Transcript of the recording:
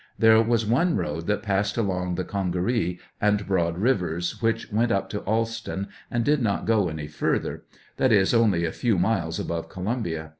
There was one road that passed along the Congaree and Broad rivers which went up to Alston, and did not go any further; that is, only a few miles above Columbia